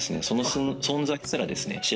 その存在すらですね